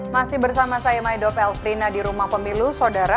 masih bersama saya maido pelfrina di rumah pemilu saudara